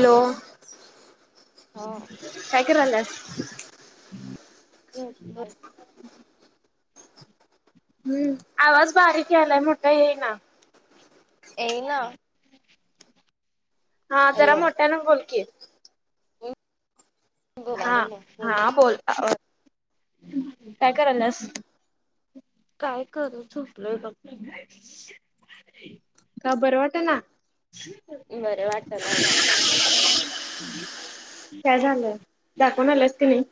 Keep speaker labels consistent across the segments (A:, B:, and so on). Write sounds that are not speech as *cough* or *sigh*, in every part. A: Hello? हा.
B: काय करायलास?
A: झोपलोय हम् *inaudible*
B: हम्म आवाज बारीक यायलाय मोठा येईना.
A: येना.
B: हा जरा मोठ्यानं बोलकी हा.
A: बोलाले ना
B: हा बोल
A: *inaudible*
B: काय करायलास?
A: काय करू? झोपलोय बघ
B: का बरं वाट ना?
A: बरं वाटना.
B: काय झालंय? दाखवून आलास की नाही?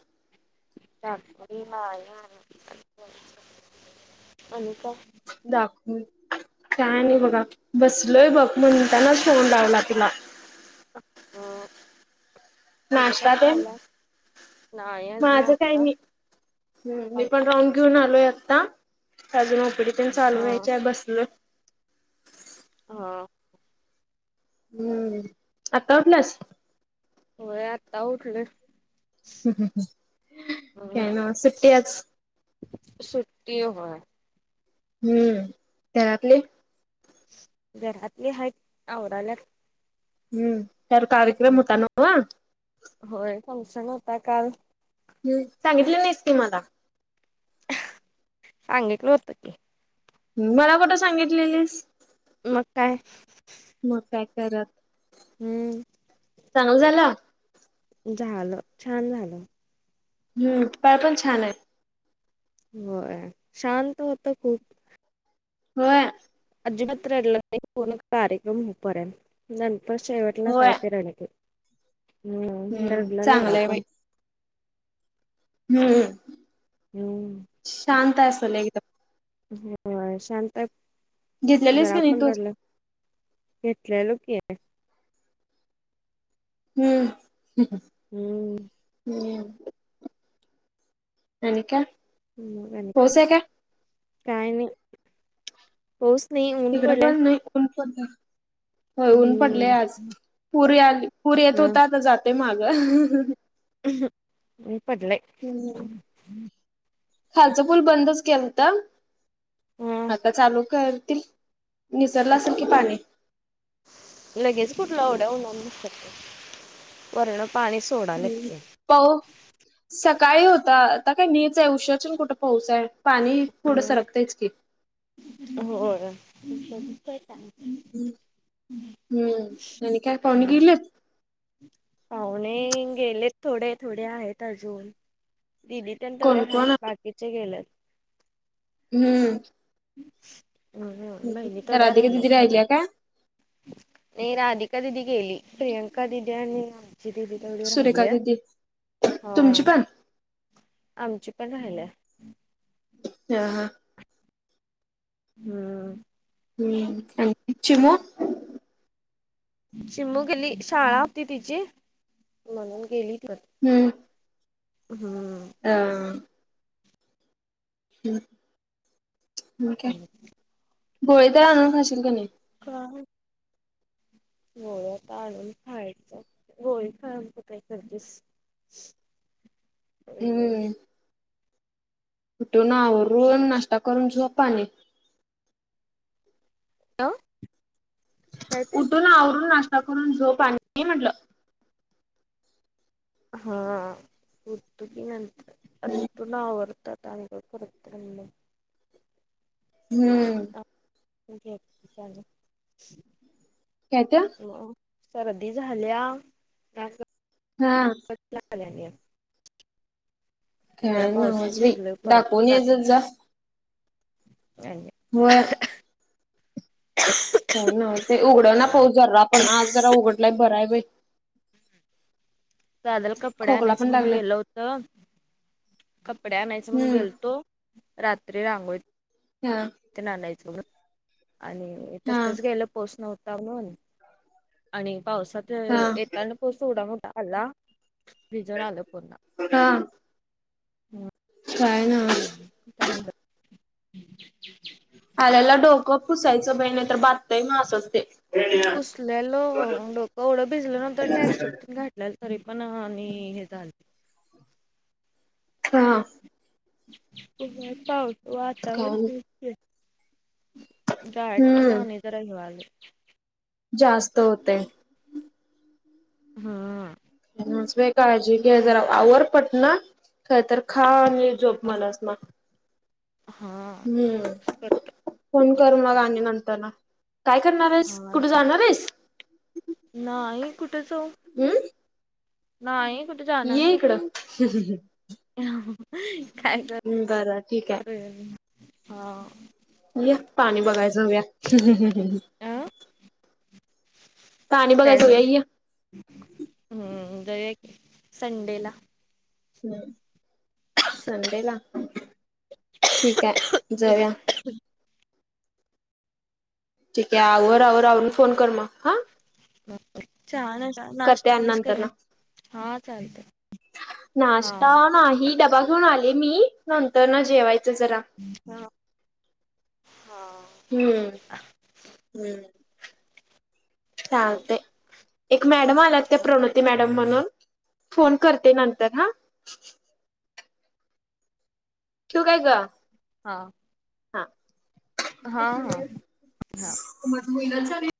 A: दाखून नही आला *inaudible* आणिन का *inaudible*
B: दाखवून, काय नाई बघा बसलोय बघ म्हणून त्यानच फोन लावला तुला.
A: ह. तुझं काय
B: नाश्ता तेन
A: चालंय? नाही अजून आत्ता
B: हम् मी पण राऊंड घेऊन आलोय आता, अजूून ओपिडी पण चालून
A: हा
B: व्हाईची आहे बसलो
A: हो.
B: हम्म. आता उठलास?
A: व्हय आता उठले.
B: हम मम, काय नाय सुट्टीच आहे आज.
A: सुट्टीये होय?
B: हम्म. घरातले?
A: घरातले आहेत, आवरालेत.
B: हम्म. काल कार्यक्रम होता ना व?
A: होय फंक्शन होता काल.
B: हम्म. सांगितल नाहीस तू मला?
A: हन सांगीतल व्हत की.
B: मला कुठं सांगितलेलीस?
A: मग काय?
B: मग कार्यक्रम
A: हम्म
B: चांगल झालं?
A: झालं, छान झालं.
B: हम्म. पाय पण छान आहेत.
A: होय. शांत होत खूप.
B: *unintelligible*
A: अजिबात रडले नाही पोर कार्यक्रम होईपर्यत. नंतर शेवट
B: होय. हम्म चांगलंय बाई
A: *unintelligible*
B: हम्म
A: हम्म
B: शांत आसल एकदम.
A: होय शांत
B: घेतलेलीस का
A: जरापण
B: तू?
A: रडल नाही. *unintelligible*
B: हम्म
A: हम्म
B: हम्म आणि काय पाऊस आहे काय?
A: काय नाही. पाऊस नाही ऊन पडलंय
B: इकडेपण नाही. ऊन पडलय. हो ऊन पडले
A: हम्म
B: आज. पूरी आली पूर येत
A: हा
B: होता आता जातोय माग.
A: ऊन पडलंय.
B: हम्म खालच पूल बंदच केलता.
A: हा
B: आता चालू करतील. निसरलं असेल की पाणी.
A: लगेच कुठलं आवड्या हो वरण पाणी सोडालेत
B: हम्म
A: की
B: पाहु सकाळी होता. आता काय मीच आहे. उश्याच्यान कुठं पाऊस आहे. पाणी पुढे
A: हा
B: सरकतयचकी.
A: होय
B: हम्म हम्म आणि काय, पाहुणे गेलेत.
A: पाहुणे गेलेत. थोडे थोडे आहेत अजून. दिदि तेवढे
B: कोण
A: आहेत.
B: कोण
A: बाकीचे गेलेत.
B: हम्म
A: होय होय नाही नाही थोड्या
B: राधिका दिदी
A: राहिल्यात सगळ्या.
B: राहिल्या काय?
A: नाही राधिका दिदी गेली. प्रियंका दिदी आणि ती दिदि तेवढी
B: सुरेखा
A: राहिलीय.
B: दिदी
A: हो
B: तुमची पण
A: आमची पण राहिल्या.
B: *unintelligible*
A: हम्म
B: हम्म आणि चिमु
A: चिमू गेली. शाळा होती तिची म्हणून गेली.
B: हम्म
A: हम्म
B: अ हम्म हम्म काय, गोळी तर आणुन खाशील का नाही.
A: *unintelligible* गोळ्यात आणून खायचा. गोळी खा अस काय करतीस. *unintelligible*
B: हम्म उठून आवरून नाष्टा करून झोप आणि.
A: अ
B: उठून आवरून नाश्ता करून झोप आणि म्हटलं.
A: हा ऊठतोकी नंतर अ उठुन आवरतात आहे. *unintelligible*
B: हम्म काय ते
A: *unintelligible* सर्दी झाल्या. नाक ग
B: हा.
A: *unintelligible* आल्या आल्या. जरा
B: काय
A: पावसात
B: नव्हच बाई
A: भिजलोय परवा
B: दाखवून यायचंच जा
A: रात्री
B: होय.
A: *unintelligible*
B: हो ना ते उघड ना पाऊस जरा पण आज जरा उघडलाय बरा हाय बाई. *unintelligible*
A: दादाला कपडे
B: खोकला
A: आणायचं
B: पण
A: म्हण
B: लागलाय
A: गेलं होत कपडे आणायच म्हणून
B: हम्म
A: गेलतो. रात्री रांगोळी
B: हा
A: तेन आनायचं आणि
B: हा
A: तसच गेलो. पाऊस नव्हता म्हणून आणि पावसात
B: हा
A: येतान पाऊस एवढा मोठा आला भिजून आलो पूर्ण.
B: हा काय नव.
A: हम्
B: आल्याला डोकं पुसायचं बाई नाही बादतय मग असंच ते.
A: पुसलेलो डोक एवढं भिजल नंतर ट्रॅकसूट तेल घातलेलं पुसल्यालो तरी पण आणि हे झालं
B: हा
A: पाऊसाच वातावरण
B: काय नाही
A: गारट्यान
B: हम्म
A: आणि जरा हे व्हालंय.
B: जास्त होतयं.
A: हम्म
B: काळजी घे जरा आवर पटण काय तर खा आणि झोप म्हणस मग.
A: हा
B: हम्म
A: तसंच करतो.
B: फोन कर मग आणि नंतर न काय करणार आहेस
A: हां.
B: कुठे जाणार हाईस.
A: नाही कुठ जाऊ.
B: हम्म
A: नाही जाणार
B: ये
A: नाही.
B: इकडं.
A: काय तर
B: बरं ठीक
A: हम्म हा
B: य पाणी बघायचं जाऊया.
A: अ?
B: पाणी बघायला
A: काय
B: जाऊया
A: झालं?
B: य.
A: हम्म जाऊया की संडेला.
B: संडे ला ठीक आहे जाऊया. ठीक हाय आवर आवरून फोन कर मग हा
A: चहा आणि
B: करते
A: नाश्ता
B: आणि
A: केलीस का
B: नंतर
A: नई
B: ना
A: हा चालत
B: नाश्ता नाही डबा घेऊन आले मी नंतर न जेवायच जरा.
A: ह हा हा
B: हम्म हम्म चालतय. एक मॅडम आलात ते प्रणोती मॅडम म्हणून फोन करते नंतर हा. ठिव काय गं
A: हा हां. हां.
B: माझं होईना झालय ग.